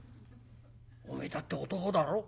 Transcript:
おめえだって男だろ？